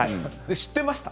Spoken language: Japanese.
知ってました。